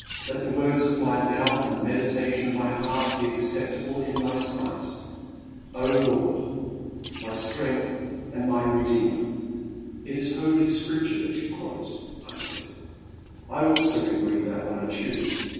I^t the words of my mouth and the meditation of my heart be acceptable in Thy sight, — O Lord ! My strength and my Redeemer !'It is Holy Scripture that you quote," I said ;I also can read that when I choose.